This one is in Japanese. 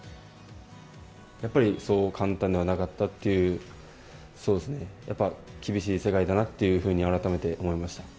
やっぱりそう簡単ではなかったという、厳しい世界だなと、改めて思いました。